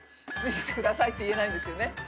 見せてくださいって言えないんですよね。